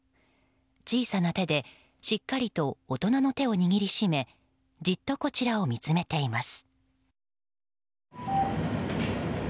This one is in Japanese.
小さな手でしっかりと大人の手を握り締めじっとこちらを見つめています。